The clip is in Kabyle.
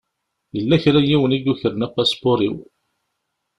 Yella kra n yiwen i yukren apaspuṛ-iw.